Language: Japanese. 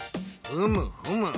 ふむふむ。